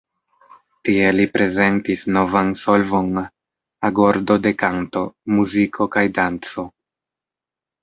Tie li prezentis novan solvon: agordo de kanto, muziko kaj danco.